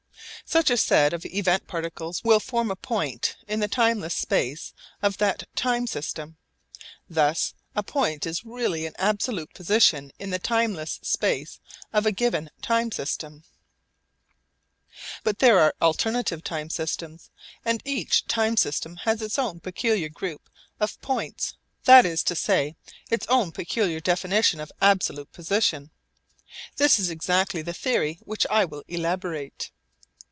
Such a set of event particles will form a point in the timeless space of that time system. Thus a point is really an absolute position in the timeless space of a given time system. But there are alternative time systems, and each time system has its own peculiar group of points that is to say, its own peculiar definition of absolute position. This is exactly the theory which I will elaborate.